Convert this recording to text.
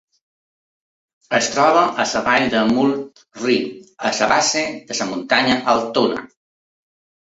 Es troba a la vall de Murphree a la base de la muntanya Altoona.